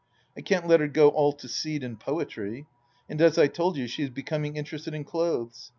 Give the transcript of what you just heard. I can't let her go all to seed and poetry. And as I told you she is becoming interested in clothes.